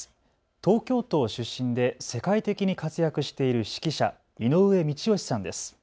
東京都出身で世界的に活躍している指揮者、井上道義さんです。